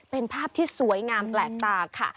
เป็นภาพที่สวยงามแปลกตาค่ะ